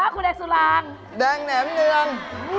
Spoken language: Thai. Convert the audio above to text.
คุณแดงสุรางแดงแหนมเนือง